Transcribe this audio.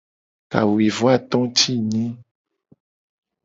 Kawuivoato ti enyi.